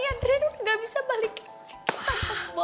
adriana udah gak bisa balik lagi sama boy